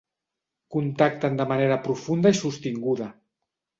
Contacten de manera profunda i sostinguda.